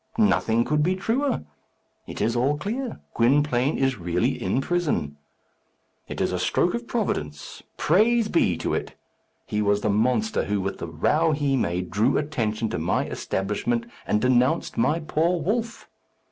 Nothing could be truer. It is all clear. Gwynplaine is really in prison. It is a stroke of Providence. Praise be to it! He was the monster who, with the row he made, drew attention to my establishment and denounced my poor wolf.